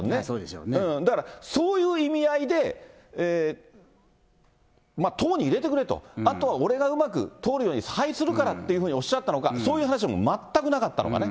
だからそういう意味合いで党に入れてくれと、あとは俺がうまく通るように差配するからっておっしゃったのか、そういう話も全くなかったのかね。